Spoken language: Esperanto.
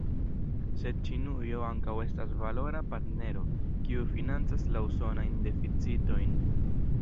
Sed Ĉinujo ankaŭ estas valora partnero, kiu financas la usonajn deficitojn.